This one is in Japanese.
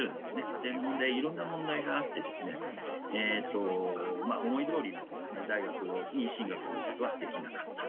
家庭の問題やいろんな問題があってですね思いどおりの大学に進学することはできなかった。